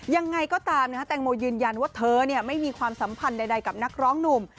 ยังไงก็ตามแตงโมยืนยันว่าเธอไม่มีความสัมพันธ์ใดกับนักร้องหนุ่ม